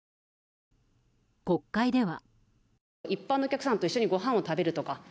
国会では。